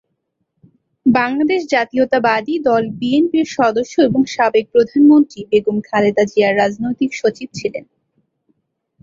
বাংলাদেশ জাতীয়তাবাদী দল-বিএনপির সদস্য এবং সাবেক প্রধানমন্ত্রী বেগম খালেদা জিয়ার রাজনৈতিক সচিব ছিলেন।